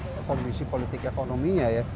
kalau memang kondisi politik ekonominya ya